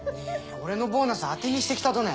俺のボーナス当てにしてきたとね？